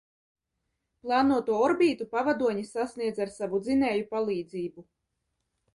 Plānoto orbītu pavadoņi sasniedza ar savu dzinēju palīdzību.